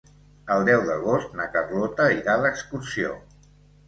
El deu d'agost na Carlota irà d'excursió.